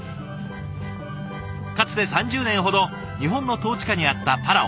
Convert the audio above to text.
かつて３０年ほど日本の統治下にあったパラオ。